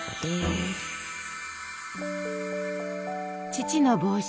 「父の帽子」。